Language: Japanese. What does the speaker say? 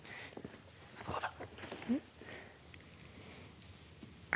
そうだ。